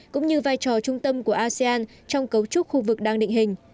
cũng như vai trò trung tâm của asean trong cấu trúc khu vực đang định hình